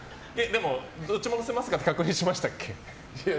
でもどっちも載せますかって確認しましたっけ？